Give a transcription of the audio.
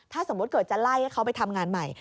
ถ้าสมมุติเกิดจะไล่ให้เขาไปทำงานใหม่